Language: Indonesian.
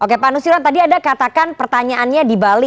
oke pak nusirwan tadi anda katakan pertanyaannya di bali